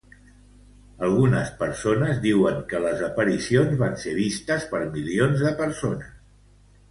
Algunes persones diuen que les aparicions van ser vistes per milions de persones.